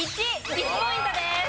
１ポイントです。